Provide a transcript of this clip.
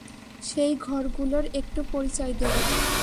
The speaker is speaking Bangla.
সেই ঘরগুলোর একটু পরিচয় দেব।